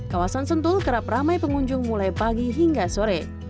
kawasan sentul kerap ramai pengunjung mulai pagi hingga sore